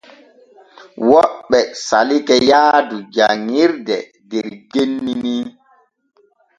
Woɓɓe salake yaadu janŋirde der genni ni.